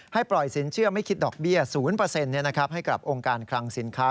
ปล่อยสินเชื่อไม่คิดดอกเบี้ย๐ให้กับองค์การคลังสินค้า